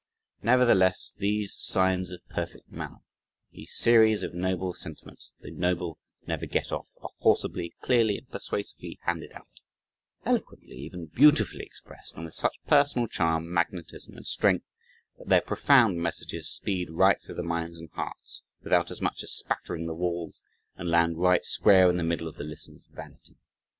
Nevertheless these signs of perfect manner, these series of noble sentiments that the "noble" never get off, are forcibly, clearly, and persuasively handed out eloquently, even beautifully expressed, and with such personal charm, magnetism, and strength, that their profound messages speed right through the minds and hearts, without as much as spattering the walls, and land right square in the middle of the listener's vanity.